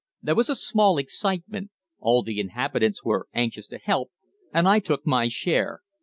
"There was a small excitement; all the inhabitants were anxious to help, and I took my share.